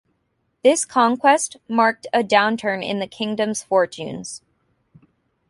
This conquest marked a downturn in the kingdom's fortunes.